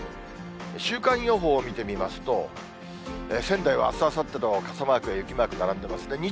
週間予報見てみますと、仙台はあす、あさってと傘マークや雪マークが並んでますね。